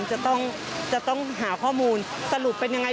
จะต้องหาข้อมูลสรุปเป็นยังไง